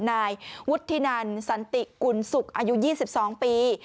นายวุฒินันสันติกุลศุกร์อายุ๒๒ปี